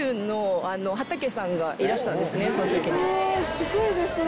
すごいですね！